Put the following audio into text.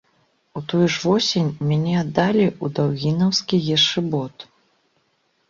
У тую ж восень мяне аддалі ў даўгінаўскі ешыбот.